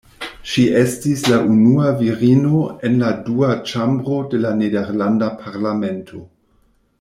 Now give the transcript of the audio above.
Ŝi estis la unua virino en la Dua Ĉambro de la nederlanda parlamento.